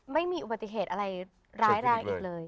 ไม่มีอุบัติเหตุอะไรร้ายแรงอีกเลย